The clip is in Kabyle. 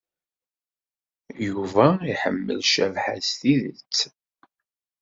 Yuba iḥemmel Cabḥa s tidet.